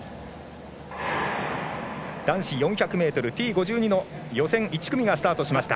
男子４００ｍＴ５２の予選１組がスタートしました。